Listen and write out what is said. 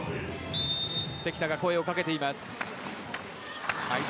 関田が声を掛けています。